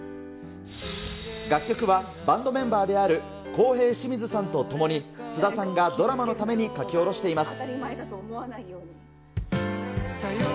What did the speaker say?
楽曲はバンドメンバーであるコウヘイ・シミズさんと共に、菅田さんがドラマのために書き下ろしています。